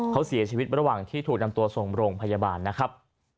เขาเสียชีวิตระหว่างที่ถูกนำตัวส่งโรงพยาบาลนะครับ